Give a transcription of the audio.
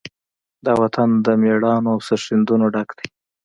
دا وطن د مېړانو، او سرښندنو نه ډک دی.